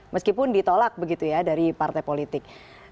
meskipun ditolak begitu ya dari partai politik